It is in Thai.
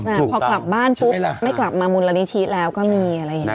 อ่าพอกลับบ้านปุ๊บไม่กลับมามูลนิธิแล้วก็มีอะไรอย่างนี้